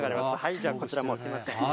じゃあこちら、すみません。